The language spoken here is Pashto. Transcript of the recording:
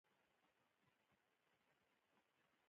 مېوې د افغانستان د تکنالوژۍ له پرمختګ سره نږدې تړاو لري.